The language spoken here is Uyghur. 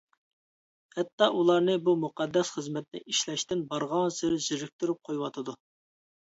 ھەتتا ئۇلارنى بۇ مۇقەددەس خىزمەتنى ئىشلەشتىن بارغانسېرى زېرىكتۈرۈپ قويۇۋاتىدۇ.